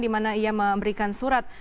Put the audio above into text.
dimana ia memberikan surat